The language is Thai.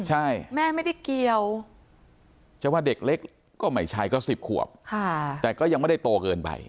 ใช่แม่ไม่ได้เกี่ยวจะว่าเด็กเล็กก็ไม่ใช่ก็๑๐ขวบแต่ก็ยังไม่ได้โตเกินไป